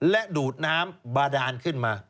และดูดน้ำบาดานขึ้นมา